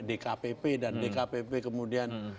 dkpp dan dkpp kemudian